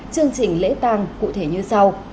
chương trình lễ tang cụ thể như sau